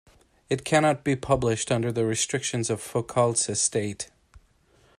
It cannot be published under the restrictions of Foucault's estate.